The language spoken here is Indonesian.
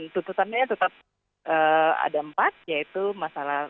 tuntutannya tetap ada empat yaitu masalah